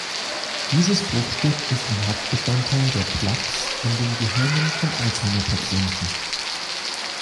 Dieses Bruchstück ist ein Hauptbestandteil der Plaques in den Gehirnen von Alzheimer-Patienten.